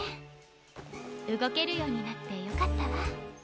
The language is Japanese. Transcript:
うごけるようになってよかったわ。